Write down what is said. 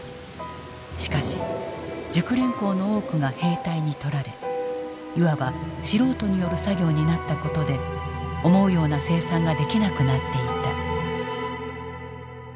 しかし熟練工の多くが兵隊に取られいわば素人による作業になったことで思うような生産ができなくなっていた。